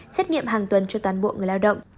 xét nghiệm hàng tuần cho toàn bộ người lao động